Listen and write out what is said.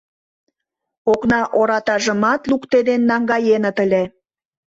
Окна оратажымат луктеден наҥгаеныт ыле.